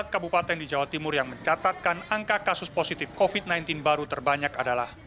empat kabupaten di jawa timur yang mencatatkan angka kasus positif covid sembilan belas baru terbanyak adalah